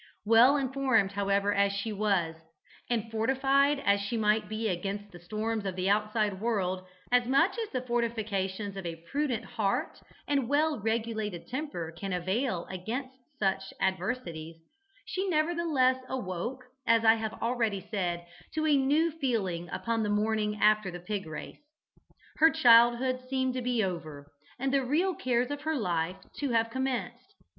Well informed, however, as she was, and fortified as she might be against the storms of the outside world, as much as the fortifications of a prudent heart and well regulated temper can avail against such adversities, she nevertheless awoke, as I have already said, to a new feeling upon the morning after the pig race. Her childhood seemed to be over, and the real cares of life to have commenced.